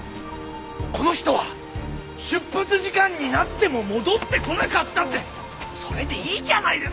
この人は出発時間になっても戻ってこなかったってそれでいいじゃないですか！